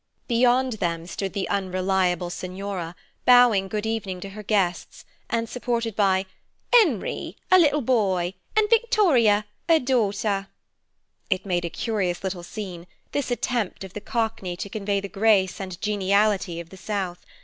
Beyond them stood the unreliable Signora, bowing good evening to her guests, and supported by 'Enery, her little boy, and Victorier, her daughter. It made a curious little scene, this attempt of the Cockney to convey the grace and geniality of the South.